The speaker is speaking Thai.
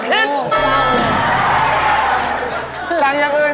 สั่งอย่างอื่น